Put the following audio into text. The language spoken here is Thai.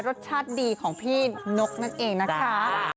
รสชาติดีของพี่นกนั่นเองนะคะ